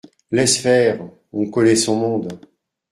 Laisse faire, on connaît son monde…